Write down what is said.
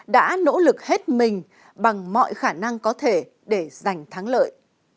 đã nỗ lực hết mình bằng mọi khả năng có thể để giành thắng lợi